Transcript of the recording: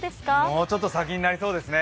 もうちょっと先になりそうですね。